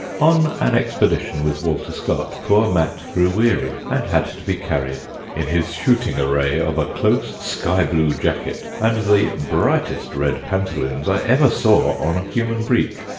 On an expedition with Walter Scott poor Mat grew weary, and had to be carried, * in his shooting array of a close sky blue jacket, and the brightest red pantaloons I ever saw on a human breech.